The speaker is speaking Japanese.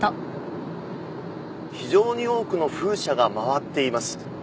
非常に多くの風車が回っています。